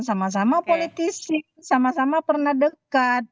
sama sama politisi sama sama pernah dekat